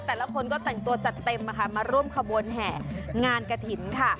แต่ละคนก็แต่งตัวจัดเต็มนะคะมาร่วมขบวนแห่งานกระถิ่นค่ะ